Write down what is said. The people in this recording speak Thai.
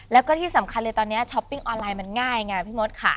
แล้วก็ที่สำคัญเลยตอนนี้ช้อปปิ้งออนไลน์มันง่ายไงพี่มดค่ะ